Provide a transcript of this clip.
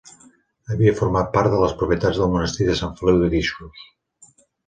Havia format part de les propietats del Monestir de Sant Feliu de Guíxols.